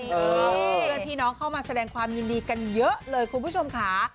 เพื่อนพี่น้องเข้ามาแสดงความยินดีกันเยอะเลยคุณผู้ชมค่ะ